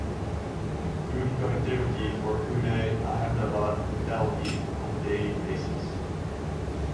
Good connectivity for Pune Ahemdabad and Delhi on daily basis.